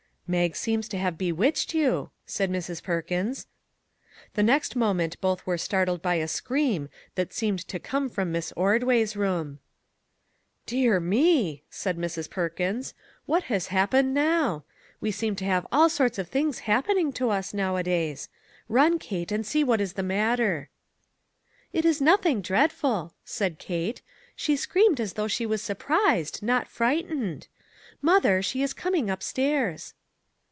" Mag seems to have bewitched you," said 129 MAG AND MARGARET Mrs. Perkins. The next moment both were startled by a scream that seemed to come from Miss Ordway's room. " Dear me !" said Mrs. Perkins, " what has happened now? We seem to have all sorts of things happening to us nowadays. Run, Kate, and see what is the matter." "It is nothing dreadful," said Kate; "she screamed as though she was surprised, not frightened. Mother, she is coming up stairs."